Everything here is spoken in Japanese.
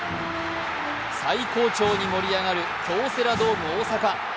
最高潮に盛り上がる京セラドーム大阪。